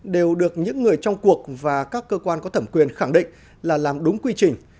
đều được những người trong cuộc và các cơ quan có thẩm quyền khẳng định là làm đúng quy trình